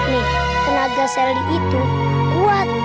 nih tenaga sally itu kuat